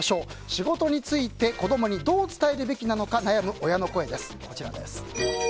仕事について、子供にどう伝えるべきなのか悩む親の声です。